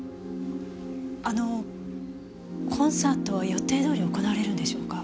あのコンサートは予定どおり行われるんでしょうか？